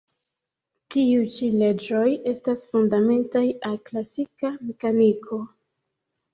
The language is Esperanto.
Tiuj ĉi leĝoj estas fundamentaj al klasika mekaniko.